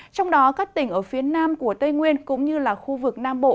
trong đó các tỉnh ở phía nam của tây nguyên cũng như là khu vực nam bộ